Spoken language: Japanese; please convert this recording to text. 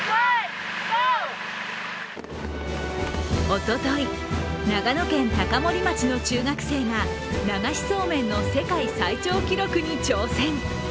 おととい、長野県高森町の中学生が流しそうめんの世界最長記録に挑戦。